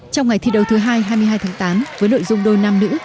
trong ngày thi đấu thứ hai hai mươi hai tháng tám với nội dung đôi nam nữ